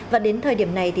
và đến thời điểm này